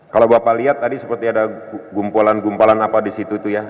kalau bapak lihat tadi seperti ada gumpalan gumpalan apa di situ itu ya